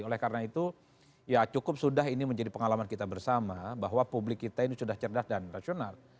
oleh karena itu ya cukup sudah ini menjadi pengalaman kita bersama bahwa publik kita ini sudah cerdas dan rasional